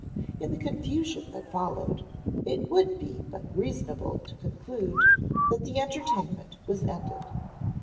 In the confusion that followed it would be but reasonable to conclude that the entertainment was ended.